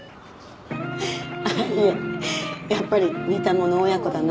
あっいえやっぱり似たもの親子だなって。